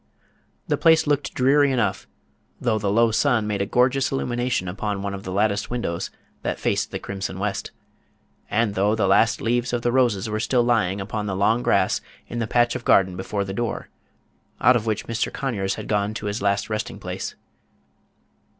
The place looked dreary enough, though the low sun made a gorgeous illumination upon one of the latticed windows that faced the crimson west, and though the last leaves of the roses were still lying upon the long grass in the patch of garden before the door, out of which Mr. Conyers had gone to his last resting place.